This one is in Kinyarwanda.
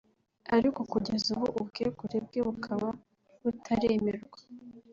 ariko kugeza ubu ubwegure bwe bukaba butaremerwa